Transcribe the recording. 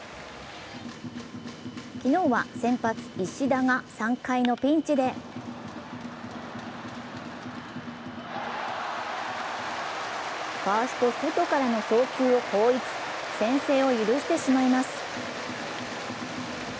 昨日は先発・石田が３回のピンチでファースト・ソトからの送球を後逸、先制を許してしまいます。